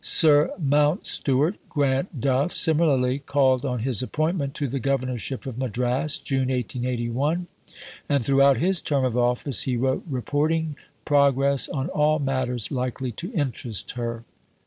Sir Mountstuart Grant Duff similarly called on his appointment to the Governorship of Madras (June 1881), and throughout his term of office he wrote reporting progress on all matters likely to interest her.